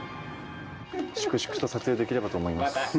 粛々と撮影できればと思います。